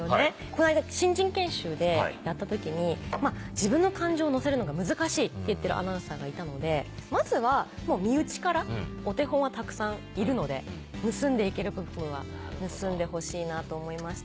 この間新人研修でやった時に自分の感情を乗せるのが難しいって言ってるアナウンサーがいたのでまずは身内からお手本はたくさんいるので盗んでいける部分は盗んでほしいなと思いました。